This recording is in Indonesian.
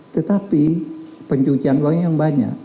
tetapi pencucian uangnya yang banyak